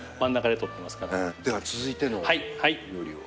では続いての料理を。